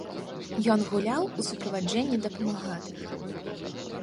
Ён гуляў у суправаджэнні дапамагатых.